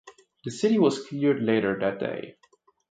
The city was cleared later that day.